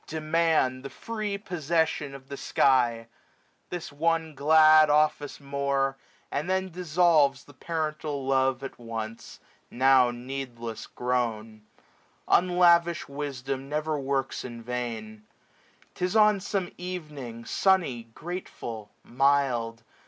Demand the free possession of the sky : This one glad office more, and then dissolves Parental love at once, now^ needless grown, 730 Unlavish Wisdom never woi; ks in vain. 'Tis on some evening, sunny, grateful, mild.